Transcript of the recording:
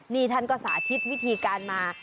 นี่ท่านก็สาธิตวิธีการมา